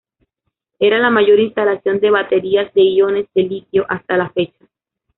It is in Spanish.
Era la mayor instalación de baterías de iones de litio hasta la fecha.